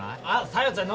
小夜ちゃん